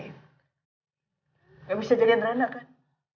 tidak bisa jagain rena kan